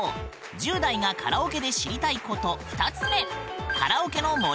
１０代がカラオケで知りたいこと２つ目！